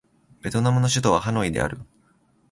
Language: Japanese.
ベトナムの首都はハノイである